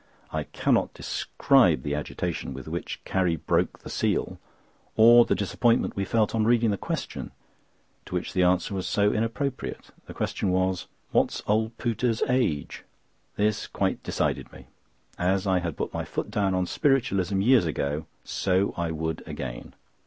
I cannot describe the agitation with which Carrie broke the seal, or the disappointment we felt on reading the question, to which the answer was so inappropriate. The question was, "What's old Pooter's age?" This quite decided me. As I had put my foot down on Spiritualism years ago, so I would again.